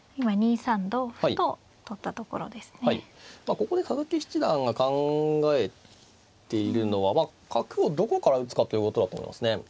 ここで佐々木七段が考えているのは角をどこから打つかということだと思いますね。